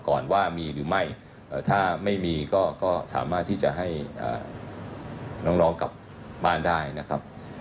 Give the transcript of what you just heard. ก่อนว่ามีหรือไม่ถ้าไม่มีก็สามารถที่จะให้น้องกลับบ้านได้นะครับ